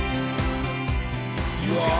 うわ！